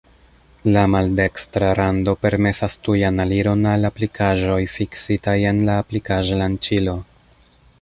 La maldekstra rando permesas tujan aliron al aplikaĵoj fiksitaj en la aplikaĵ-lanĉilo.